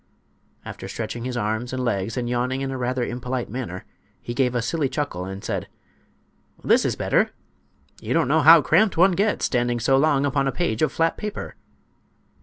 After stretching his arms and legs and yawning in a rather impolite manner, he gave a silly chuckle and said: "This is better! You don't know how cramped one gets, standing so long upon a page of flat paper."